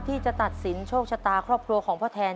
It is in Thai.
ที่จะตัดสินโชคชะตาครอบครัวของพ่อแทน